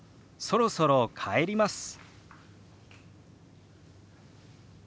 「そろそろ帰ります」。